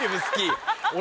俺。